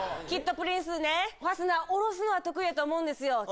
きっとプリンスね、ファスナー下ろすのは得意だと思うんですよ。